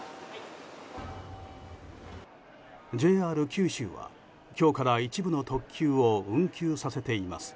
ＪＲ九州は今日から一部の特急を運休させています。